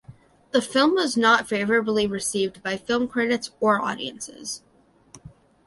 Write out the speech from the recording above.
The film was not favourably received by film critics or audiences.